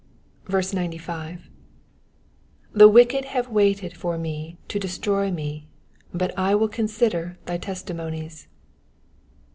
95. ^'The wicked have waited for me to destroy me: hut I will consider thy testimonies.'